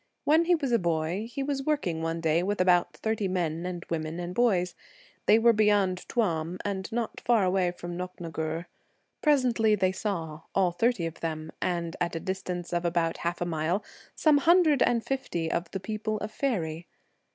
When he was a boy he was work ing one day with about thirty men and 12 women and boys. They were beyond Mortal Tuam and not far from Knock na gur. Presently they saw, all thirty of them, and at a distance of about half a mile, some hundred and fifty of the people of faery.